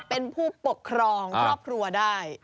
เป็นผู้ปกครองครอบครัวได้